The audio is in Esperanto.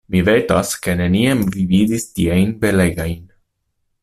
Mi vetas, ke neniam vi vidis tiajn belegajn.